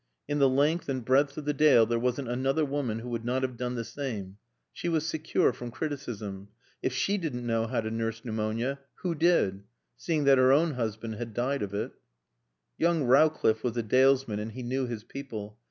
In the length and breadth of the Dale there wasn't another woman who would not have done the same. She was secure from criticism. If she didn't know how to nurse pneumonia, who did? Seeing that her own husband had died of it. Young Rowcliffe was a dalesman and he knew his people.